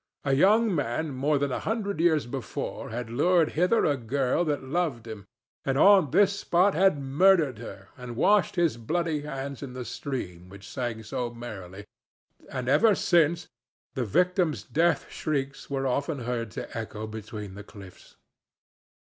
A young man more than a hundred years before had lured hither a girl that loved him, and on this spot had murdered her and washed his bloody hands in the stream which sang so merrily, and ever since the victim's death shrieks were often heard to echo between the cliffs.